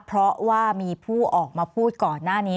เพราะว่ามีผู้ออกมาพูดก่อนหน้านี้